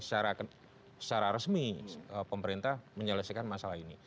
secara resmi pemerintah menyelesaikan masalah ini